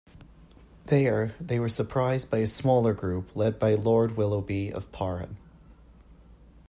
There, they were surprised by a smaller group led by Lord Willoughby of Parham.